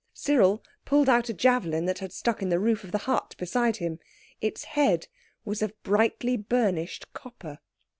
Cyril pulled out a javelin that had stuck in the roof of the hut beside him. Its head was of brightly burnished copper.